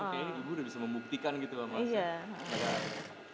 kayaknya ibu sudah bisa membuktikan gitu mas